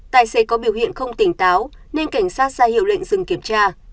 tài xế có biểu hiện không tỉnh táo nên cảnh sát ra hiệu lệnh dừng kiểm tra